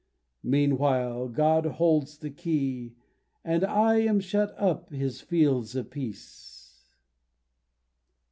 Meanwhile God holds the key, And I am shut upon his fields of peace